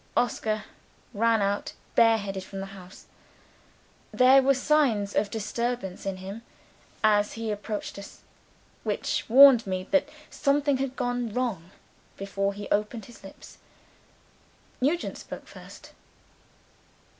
Oscar ran out, bareheaded, from the house. There were signs of disturbance in him, as he approached us, which warned me that something had gone wrong, before he opened his lips. Nugent spoke first.